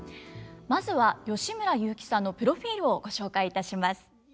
まずは吉村雄輝さんのプロフィールをご紹介いたします。